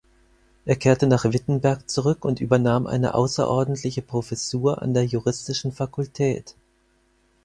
Er kehrte nach Wittenberg zurück und übernahm eine außerordentliche Professur an der juristischen Fakultät.